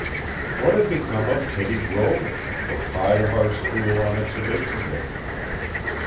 What had become of Teddy Grover, the pride of our school on exhibition day?